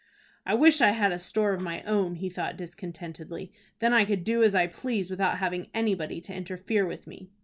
"I wish I had a store of my own," he thought, discontentedly. "Then I could do as I pleased without having anybody to interfere with me."